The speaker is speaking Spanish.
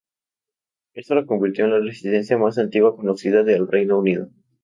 Esto la convirtió en la residente más antigua conocida del Reino Unido.